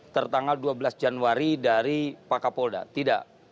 tertanggal dua belas januari dari pak kapolda tidak